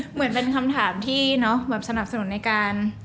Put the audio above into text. เหมือนเป็นคำถามที่สนับสนุนในการ